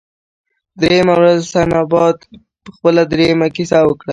دریمه ورځ سنباد خپله دریمه کیسه وکړه.